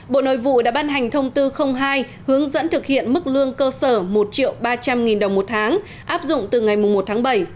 bộ nội vụ đã ban hành thông tư hai hướng dẫn thực hiện mức lương cơ sở một ba trăm linh nghìn đồng một tháng áp dụng từ ngày một tháng bảy